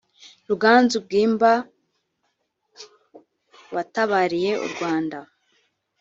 Ruganzu Bwimba watabariye u Rwanda